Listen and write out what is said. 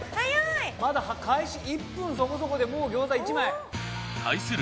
まだ開始１分そこそこでもう餃子１枚。対する